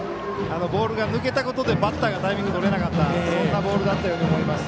ボールが抜けたことでバッターがタイミングとれなかったそんなボールだったと思います。